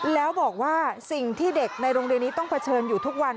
แล้วบอกว่าสิ่งที่เด็กในโรงเรียนนี้ต้องเผชิญอยู่ทุกวัน